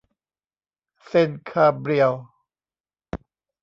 เซนต์คาเบรียล